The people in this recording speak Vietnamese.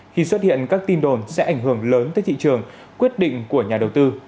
khi xuất hiện các tin đồn sẽ ảnh hưởng lớn tới thị trường quyết định của nhà đầu tư